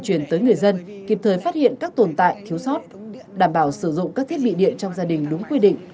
truyền tới người dân kịp thời phát hiện các tồn tại thiếu sót đảm bảo sử dụng các thiết bị điện trong gia đình đúng quy định